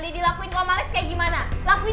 kenapa kamu ngajak daddy